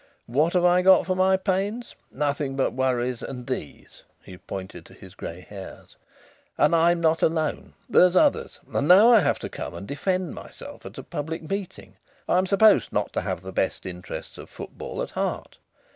What have I got for my pains? Nothing but worries and these!" (He pointed to his grey hairs.) "And I'm not alone; there's others; and now I have to come and defend myself at a public meeting. I'm supposed not to have the best interests of football at heart.